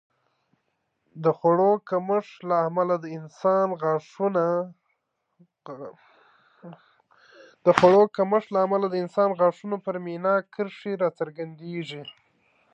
د خوړو کمښت له امله د انسان غاښونو پر مینا کرښې راڅرګندېږي